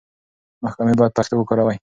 محکمې بايد پښتو وکاروي.